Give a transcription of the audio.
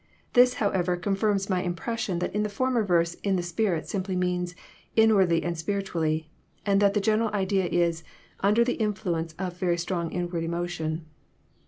This, however, confirms my impression that in the former verse '* in the spirit " simply means " inwardly and spiritually," and that the general idea is *' under the influence of very strong inward emotion."